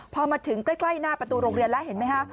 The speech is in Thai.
พอมาถึงใกล้หน้าประตูโรงเรียนแล้วเห็นไหมคะ